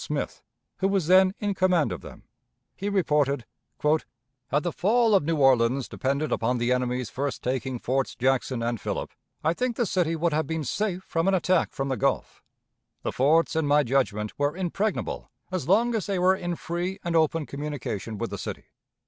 Smith, who was then in command of them. He reported: "Had the fall of New Orleans depended upon the enemy's first taking Forts Jackson and Philip, I think the city would have been safe from an attack from the Gulf. The forts, in my judgment, were impregnable as long as they were in free and open communication with the city.